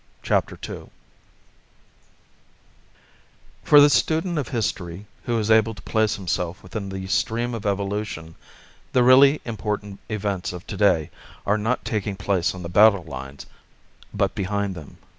CHAPTER II For the student of history who is able to place himself within the stream of evolution the really important events of today are not taking place on the battle lines, but behind them.